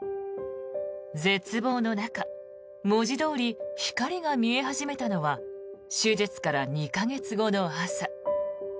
絶望の中、文字どおり光が見え始めたのは手術から２か月後の朝。